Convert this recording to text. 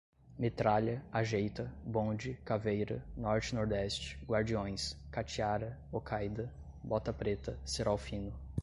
metralha, ajeita, bonde, caveira, norte-nordeste, guardiões, katiara, okaida, bota preta, cerol fino